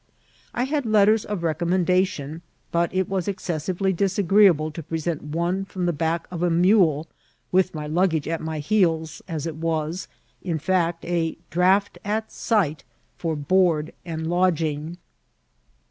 I had letters of recommendation, but it was excessively disagreeable to present one from the back of a mule with my luggage at my heels, as it was, in fact, a draught at sight for board and lodging.